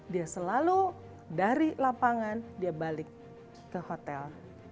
dia selalu dari lapangan dia balik ke hotel